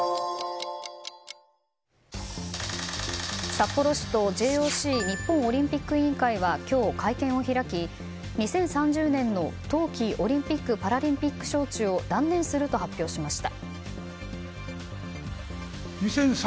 札幌市とＪＯＣ・日本オリンピック委員会は今日、会見を開き、２０３０年の冬季オリンピック・パラリンピック招致を断念すると発表しました。